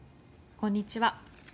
こんにちは。